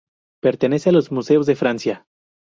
Pertenece a los museos de Francia.